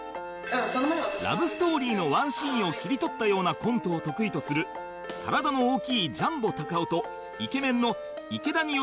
ラブストーリーのワンシーンを切り取ったようなコントを得意とする体の大きいジャンボたかおとイケメンの池田によるコンビ